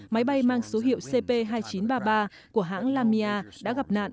máy bay mang số hiệu cp hai nghìn chín trăm ba mươi ba của hãng lamia đã gặp nạn